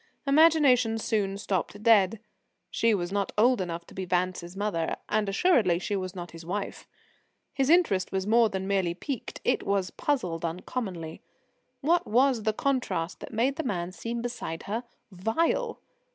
Imagination soon stopped dead. She was not old enough to be Vance's mother, and assuredly she was not his wife. His interest was more than merely piqued it was puzzled uncommonly. What was the contrast that made the man seem beside her vile?